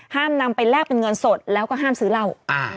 นำไปแลกเป็นเงินสดแล้วก็ห้ามซื้อเหล้า